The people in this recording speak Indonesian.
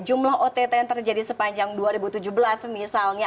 jumlah ott yang terjadi sepanjang dua ribu tujuh belas misalnya